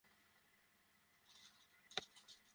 আসল শত্রু ঐ পুরাতত্ত্ব বিভাগের, গ্যানেশ।